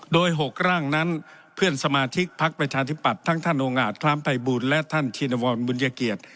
โดย๖ร่างนั้นเพื่อนสมาธิกภักดิ์ประชาธิบัติท่านท่านองค์อาทคล้ามไตบูรณ์และท่านชินวอลมุญเยอเกียจ